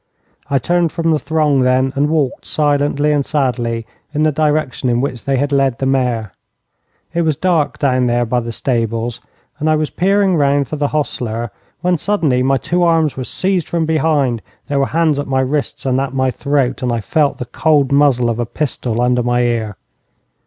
I turned from the throng, then, and walked silently and sadly in the direction in which they had led the mare. It was dark down there by the stables, and I was peering round for the hostler, when suddenly my two arms were seized from behind. There were hands at my wrists and at my throat, and I felt the cold muzzle of a pistol under my ear.